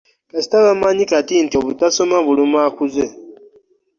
Kasita bamanyi kati nti obutasoma buluma akuze.